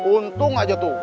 untung aja tuh